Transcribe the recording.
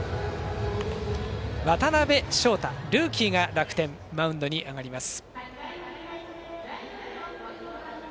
渡辺翔太、ルーキーが楽天マウンドに上がります。